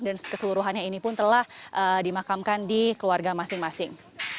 dan keseluruhannya ini pun telah dimakamkan di keluarga masing masing